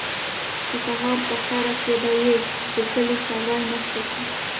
د سهار په خړه کې به یې د کلي څاروي مخکې کړل.